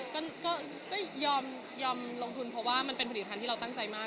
ก็ยอมลงทุนเพราะว่ามันเป็นผลิตภัณฑ์ที่เราตั้งใจมาก